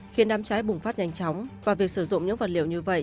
khiến đám cháy bùng phát nhanh chóng và việc sử dụng những vật liệu như vậy